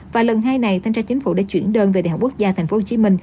và lần hai này thanh tra chính phủ đã chuyển đơn về đại học quốc gia tp hcm